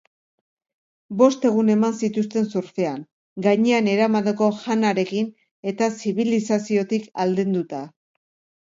Bost egun eman zituzten surfean, gainean eramandako janarekin eta zibilizaziotik aldenduta.